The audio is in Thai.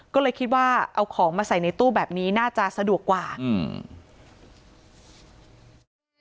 ก็เลยคิดว่าเอาของมาใส่ในตู้แบบนี้น่าจะสะดวกกว่าอืม